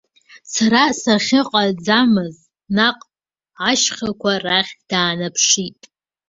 Сара сахьыҟаӡамыз, наҟ, ашьхақәа рахь даанаԥшит.